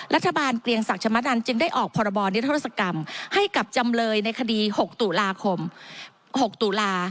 รัฐบาลเกลียงศักดิ์ชมนตร์นั้นจึงได้ออกพรบรนิทรศกรรมให้กับจำเลยในคดี๖ตุลา